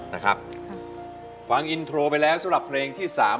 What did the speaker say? นะครับฟังอินโทรไปแล้วสำหรับเพลงที่๓